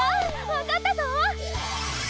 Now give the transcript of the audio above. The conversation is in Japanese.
わかったぞ！